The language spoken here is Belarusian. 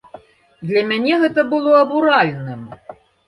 Для мяне гэты было абуральным.